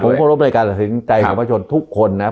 ผมพร้อมในการตัดสินใจของชนทุกคนเนี่ย